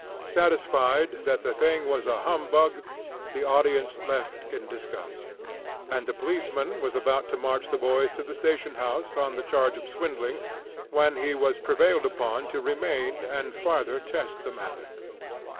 Satisfied that the thing was a humbug, the audience left in disgust; and the policeman was about to march the boys to the station house on the charge of swindling, when he was prevailed upon to remain and farther test the matter.